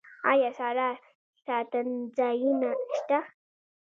آیا ساړه ساتنځایونه شته؟